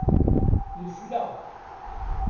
Nefleɣ.